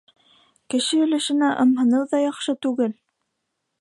Кеше өлөшөнә ымһыныу ҙа яҡшы түгел.